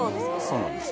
そうなんです。